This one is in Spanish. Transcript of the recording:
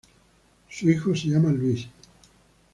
Su hijo se llama Louis.